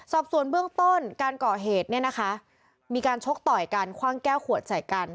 สอบส่วนเบื้องต้นการก่อเหตุเนี่ยนะคะมีการชกต่อยกันคว่างแก้วขวดใส่กัน